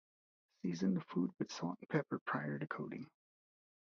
Season the food with salt and pepper prior to coating.